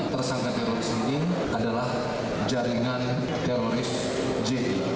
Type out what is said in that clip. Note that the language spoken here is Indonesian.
tersangka teroris ini adalah jaringan teroris j